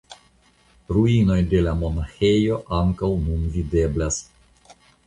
Ruinoj de la monaĥejo ankaŭ nun videblas.